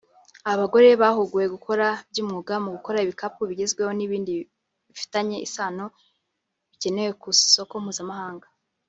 Aba bagore bahuguwe gukora by’umwuga mu gukora ibikapu bigezweho n’ibindi bifitanye isano bikenewe ku isoko mpuzamahanga